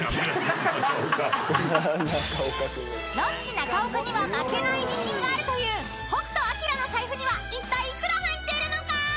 ［ロッチ中岡には負けない自信があるという北斗晶の財布にはいったい幾ら入っているのか］